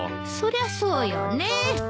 そりゃそうよね。